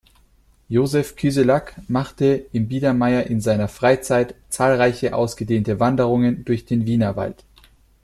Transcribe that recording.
Josef Kyselak machte im Biedermeier in seiner Freizeit zahlreiche ausgedehnte Wanderungen durch den Wienerwald.